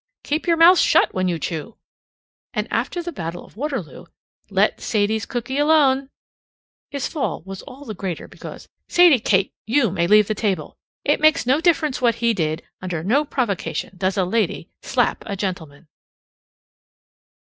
Keep your mouth shut when you chew and after the battle of Waterloo let Sadie's cooky alone his fall was all the greater because Sadie Kate, you may leave the table. It makes no difference what he did. Under no provocation does a lady slap a gentleman."